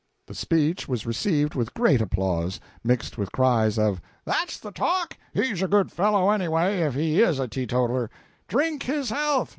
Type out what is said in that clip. This speech was received with great applause, mixed with cries of "That's the talk!" "He's a good fellow, anyway, if he is a teetotaler!" "Drink his health!"